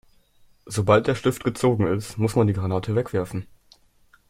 Sobald der Stift gezogen ist, muss man die Granate wegwerfen.